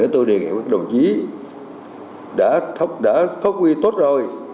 tôi đề nghị các đồng chí đã phát huy tốt rồi